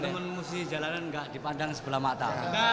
teman teman musik jalanan gak dipandang sebelah mata